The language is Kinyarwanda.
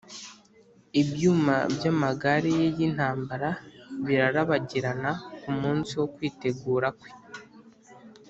ibyuma by’amagare ye y’intambara birarabagirana ku munsi wo kwitegura kwe